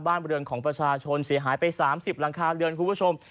บริเวณของประชาชนเสียหายไป๓๐หลังคาเรือนคุณผู้ชม